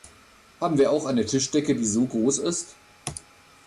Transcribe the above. Haben wir auch eine Tischdecke, die so groß ist?